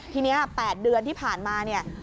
ทีนี้๘เดือนที่ผ่านมา